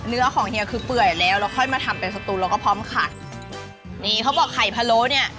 เนื้อของเฮียคือเปื่อยแล้วแล้วค่อยมาทำเป็นสตูนแล้วก็พร้อมขัดนี่เขาบอกไข่พะโล้เนี้ย